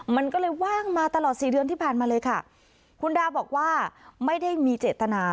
มันก็เลยว่างมาตลอดสี่เดือนที่ผ่านมาเลยค่ะคุณดาบอกว่าไม่ได้มีเจตนา